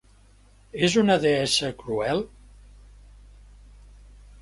És una deessa cruel?